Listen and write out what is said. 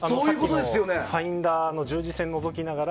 ファインダーの十字線をのぞきながら。